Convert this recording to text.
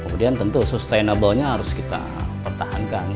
kemudian tentu sustainablenya harus kita pertahankan